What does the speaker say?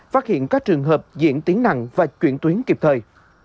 phát hiện các trường hợp diễn tiến nặng và chuyển tuyến kịp thời